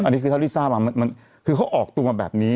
อันนี้คือเท่าที่ทราบคือเขาออกตัวแบบนี้